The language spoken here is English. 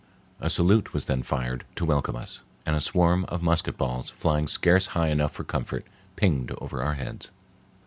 A salute was then fired to welcome us, and a swarm of musket bullets, flying scarce high enough for comfort, pinged over our heads.